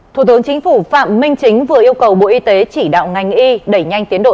thủ tướng chính phủ phạm minh chính vừa yêu cầu bộ y tế chỉ đạo ngành y đẩy nhanh tiến độ